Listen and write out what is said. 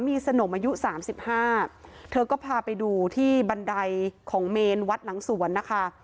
มีสนมอายุสามสิบห้าเธอก็พาไปดูที่บันไดของเมนวัดหลังสวนนะคะ